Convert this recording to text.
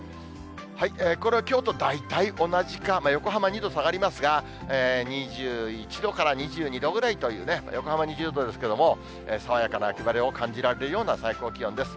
これはきょうと大体同じか、横浜、２度下がりますが、２１度か２２度ぐらいというね、横浜２０度ですけれども、爽やかな秋晴れを感じられるような最高気温です。